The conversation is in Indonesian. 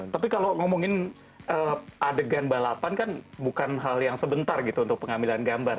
tapi kalau ngomongin adegan balapan kan bukan hal yang sebentar gitu untuk pengambilan gambar